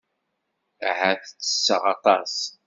Ahat ttesseɣ aṭas.